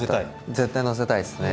絶対、乗せたいですね。